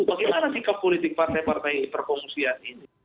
bagaimana sikap politik partai partai perkongsian ini